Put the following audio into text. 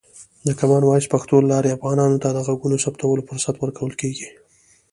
د کامن وایس پښتو له لارې، افغانانو ته د غږونو ثبتولو فرصت ورکول کېږي.